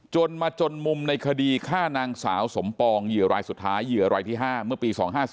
จนมาจนมุมในคดีฆ่านางสาวสมปองเหยื่อรายสุดท้ายเหยื่อรายที่๕เมื่อปี๒๕๔